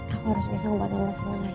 aku harus bisa ngebuat mama senang lagi